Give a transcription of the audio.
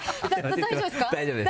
大丈夫ですか。